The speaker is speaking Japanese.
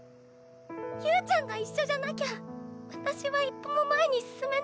侑ちゃんが一緒じゃなきゃ私は一歩も前に進めないよ。